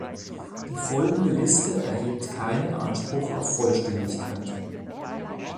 Die folgende Liste erhebt keinen Anspruch auf Vollständigkeit.